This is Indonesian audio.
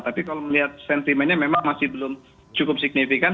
tapi kalau melihat sentimennya memang masih belum cukup signifikan